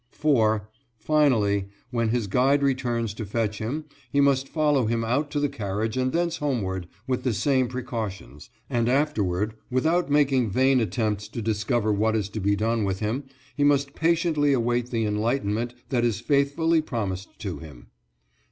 "4. Finally, when his guide returns to fetch him, he must follow him out to the carriage and thence homeward, with the same precautions, and afterward, without making vain attempts to discover what is to be done with him, he must patiently await the enlightenment that is faithfully promised to him.